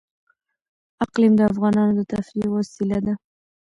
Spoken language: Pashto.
اقلیم د افغانانو د تفریح یوه وسیله ده.